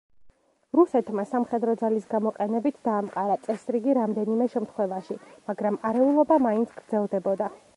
რუსეთმა სამხედრო ძალის გამოყენებით დაამყარა წესრიგი რამდენიმე შემთხვევაში, მაგრამ არეულობა მაინც გრძელდებოდა.